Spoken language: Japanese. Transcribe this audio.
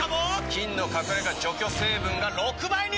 菌の隠れ家除去成分が６倍に！